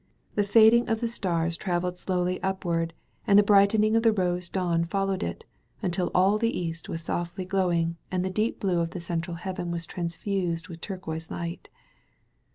The fading of the stars travelled slowly up «78 THE BOY OF NAZARETH DREAMS ward, and the brightening of the rose of dawn fol lowed it, until all the east was softly glowing and the deep blue of the central heaven was transfused with turquoise light.